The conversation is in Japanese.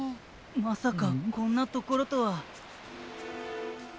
まさかこんなところとは。